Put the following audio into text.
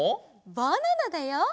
バナナだよ！